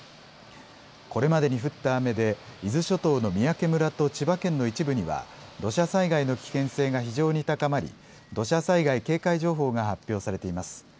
これまでに降った雨で伊豆諸島の三宅村と千葉県の一部には土砂災害の危険性が非常に高まり土砂災害警戒情報が発表されています。